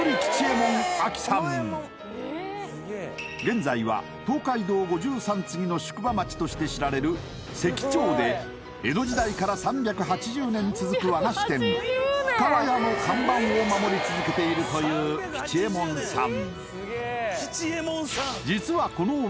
現在は東海道五十三次の宿場町として知られる関町で江戸時代から３８０年続く和菓子店深川屋の看板を守り続けているという吉右衛門さん